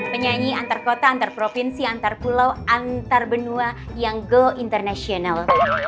penyanyi antar kota antar provinsi antar pulau antar benua yang go international